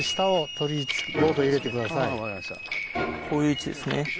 こういう位置ですね。